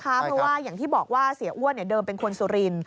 เพราะว่าอย่างที่บอกว่าเสียอ้วนเดิมเป็นคนสุรินท